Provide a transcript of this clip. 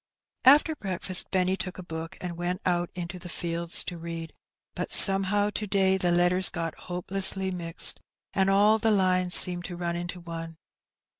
After break&st Benny took a book and went out into the fields to read, but somehow to day the letters got hopelessly mixed, and all the lines seemed to run into one.